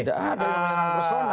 tidak ada yang personal